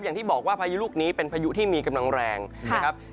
อย่างที่บอกว่าพายุลูกนี้เป็นพายุที่มีกำลังแรงนะครับ